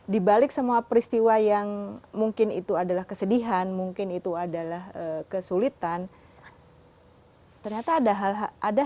dibalik semua peristiwa yang mungkin itu adalah kesedihan mungkin itu adalah kesulitan ternyata ada